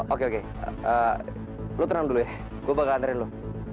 oke oke lu tenang dulu ya gua bakal anterin lu